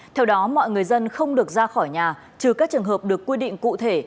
theo đó mọi người dân không được ra khỏi nhà trừ các trường hợp được quy định cụ thể